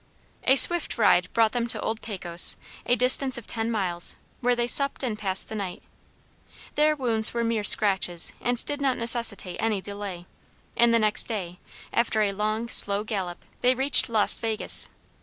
A swift ride brought them to old Pecos, a distance of ten miles, where they supped and passed the night. Their wounds were mere scratches and did not necessitate any delay, and the next day, after a long, slow gallop, they reached Los Vegas.